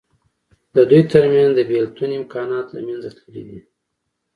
د دوی تر منځ د بېلتون امکانات له منځه تللي دي.